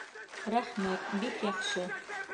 Рәхмәт, бик яҡшы.